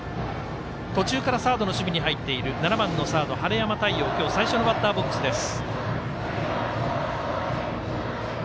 途中からサードの守備に入っている晴山太陽最初のバッターボックスです。